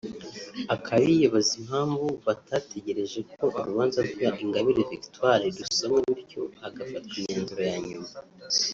akaba yibaza impamvu batategereje ko urubanza rwa Ingabire Victoire rusomwa bityo hagafatwa imyanzuro ya nyuma